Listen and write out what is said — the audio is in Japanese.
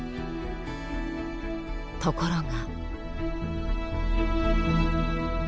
ところが。